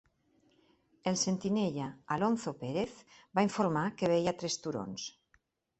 El sentinella, Alonzo Perez, va informar que veia tres turons.